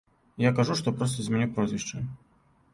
Я кажу, што проста змяню прозвішча.